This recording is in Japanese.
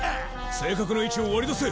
正確な位置を割り出せ！